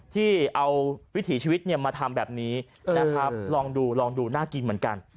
ที่เอาวิถีชีวิตมาทำแบบนี้นะครับลองดูลองดูน่ากินเหมือนกัน